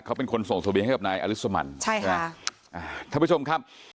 เขาเป็นคนส่งทะเบียนให้กับนายอลิสมันใช่ค่ะอ่าท่านผู้ชมครับ